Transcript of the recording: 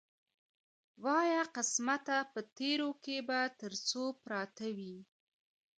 وایه قسمته په تېرو کې به تر څو پراته وي.